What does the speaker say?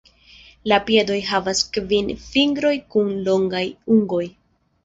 La piedoj havas kvin fingroj kun longaj ungoj.